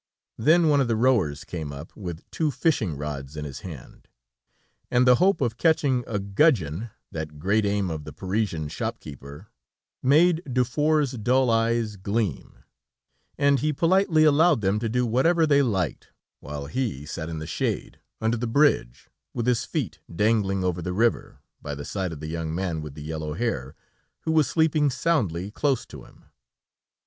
Then one of the rowers came up, with two fishing rods in his hand; and the hope of catching a gudgeon, that great aim of the Parisian shop keeper, made Dufour's dull eyes gleam, and he politely allowed them to do whatever they liked, while he sat in the shade, under the bridge, with his feet dangling over the river, by the side of the young man with the yellow hair, who was sleeping soundly close to him.